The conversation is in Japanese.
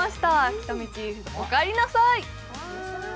喜多見チーフ、おかえりなさい。